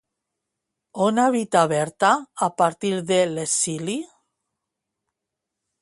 On habita Berta a partir de l'exili?